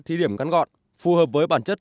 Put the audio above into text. thí điểm gắn gọn phù hợp với bản chất